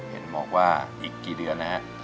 เห็นบอกว่าอีกกี่เดือนนะฮะ